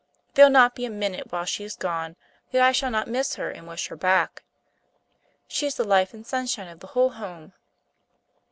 There'll not be a minute while she is gone, that I shall not miss her and wish her back. She's the life and sunshine of the whole home."